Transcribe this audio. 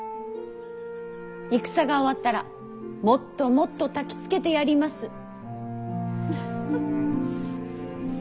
戦が終わったらもっともっとたきつけてやります。